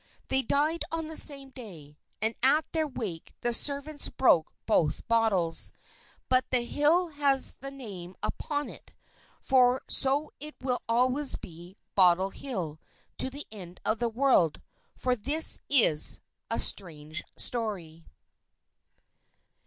They died on the same day, and at their wake the servants broke both bottles. But the hill has the name upon it; for so it will always be Bottle Hill to the end of the world, for this is a strange story.